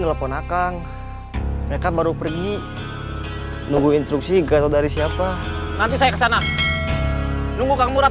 telepon akang mereka baru pergi nunggu instruksi ga dari siapa nanti saya ke sana nunggu kamu ratu